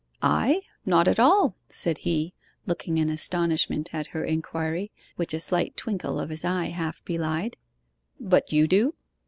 'I? Not at all,' said he, looking an astonishment at her inquiry which a slight twinkle of his eye half belied. 'But you do?